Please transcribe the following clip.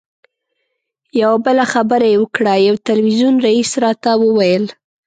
یوه بله خبره یې وکړه یو تلویزیون رییس راته وویل.